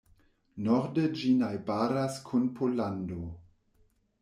Norde ĝi najbaras kun Pollando.